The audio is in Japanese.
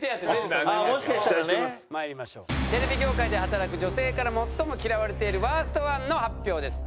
テレビ業界で働く女性から最も嫌われているワースト１の発表です。